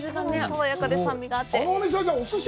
爽やかで甘みがあって。